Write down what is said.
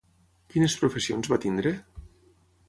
Quines professions va tenir?